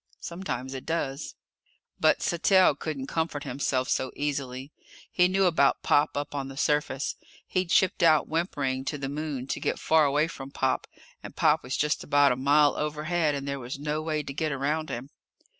Sometimes it does. But Sattell couldn't comfort himself so easily. He knew about Pop, up on the surface. He'd shipped out, whimpering, to the Moon to get far away from Pop, and Pop was just about a mile overhead and there was no way to get around him.